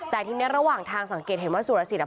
แต่ทีนี้ระหว่างทางสังเกตเห็นว่าสุรสิทธิอ่ะ